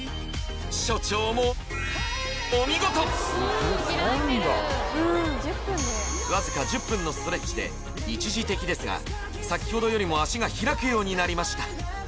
所長もお見事わずか１０分のストレッチで一時的ですが先ほどよりも脚が開くようになりました